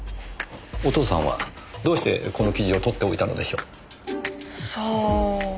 お父さんはどうしてこの記事を取っておいたのでしょう？さあ？